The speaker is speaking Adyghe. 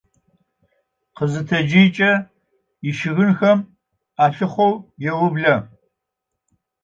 Khızıtecıjç'e yişığınxem alhıxhou yêuble.